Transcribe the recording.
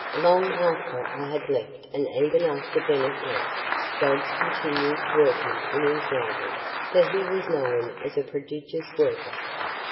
Long after I had left and even after Bennett left, Dodge continued working in his library, for he was known as a prodigious worker.